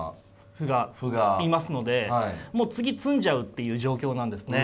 歩がいますのでもう次詰んじゃうっていう状況なんですね。